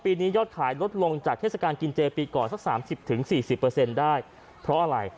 ปีนี้ยอดขายลดลงจากเทศกาลกินเจปีก่อนสัก๓๐๔๐ได้เพราะอะไร